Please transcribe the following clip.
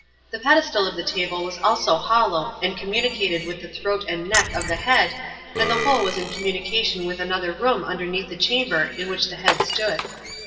The pedestal of the table was also hollow and communicated with the throat and neck of the head, and the whole was in communication with another room underneath the chamber in which the head stood.